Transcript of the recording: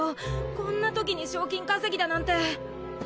こんな時に賞金稼ぎだなんて！